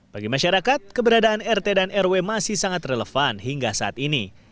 bagi masyarakat keberadaan rt dan rw masih sangat relevan hingga saat ini